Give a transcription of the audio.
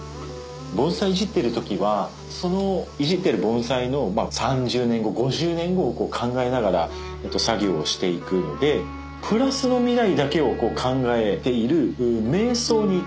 盆栽いじっているときはそのいじっている盆栽の３０年後５０年後を考えながら作業をしていくのでプラスの未来だけを考えている瞑想に近くて。